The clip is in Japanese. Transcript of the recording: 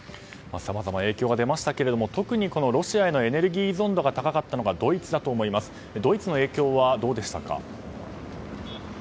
さまざまな影響が出ましたが特にロシアへのエネルギー依存度が高かったドイツへの影響はどうですか？